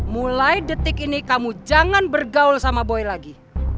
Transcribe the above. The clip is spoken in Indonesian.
mulai detik ini kamu jangan bergaul sama boy lagi